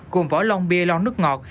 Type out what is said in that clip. cùng vỏ lon bia lon nước ngọt